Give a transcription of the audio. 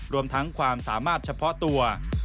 รวมทั้งความสามารถเฉพาะตัว